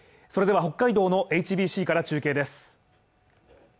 それでは北海道のＨＢＣから中継です